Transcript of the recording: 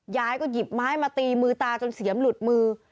ยายก็หยิบไม้มาตีมือตาจนเสียมหลุดมือ